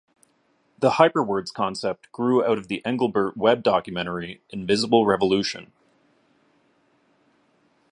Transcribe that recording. The Hyperwords concept grew out the Engelbart web-documentary Invisible Revolution.